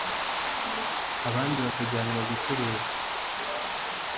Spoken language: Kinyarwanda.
abandi bakajyanwa gucuruza